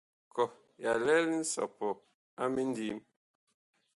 Kɔh ya lɛl nsɔpɔ a mindim.